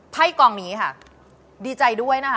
ไพ่กองนี้ค่ะดีใจด้วยนะคะ